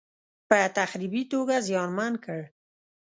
په تخریبي توګه زیانمن کړ.